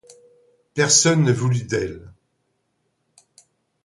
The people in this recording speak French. Personne ne voulut d’elle.